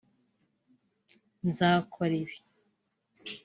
nzakora ibi